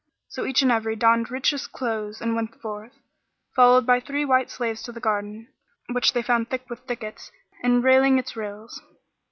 So each and every donned richest clothes and went forth, followed by three white slaves to the garden, which they found thick with thickets and railing its rills.